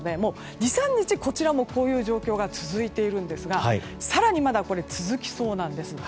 ２３日こちらもこういう状況が続いているんですが更にまだ続きそうです。